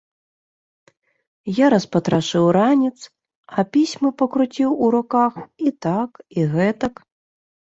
Я распатрашыў ранец, а пісьмы пакруціў у руках і так і гэтак.